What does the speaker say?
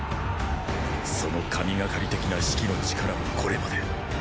その神がかり的な士気の力もこれまで。